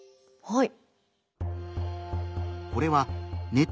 はい。